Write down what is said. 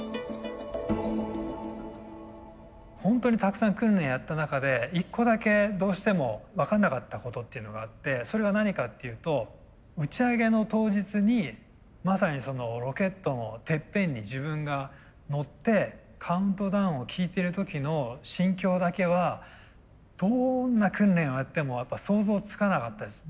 ホントにたくさん訓練やった中で一個だけどうしても分かんなかったことっていうのがあってそれは何かっていうと打ち上げの当日にまさにロケットのてっぺんに自分が乗ってカウントダウンを聞いてる時の心境だけはどんな訓練をやってもやっぱ想像つかなかったです。